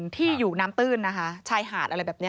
ที่อยู่น้ำตื้นนะคะชายหาดอะไรแบบนี้